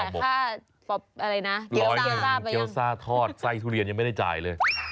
เกี๊ยวซ่าทอดไส้ทุเรียนยังไม่ได้จ่ายเลย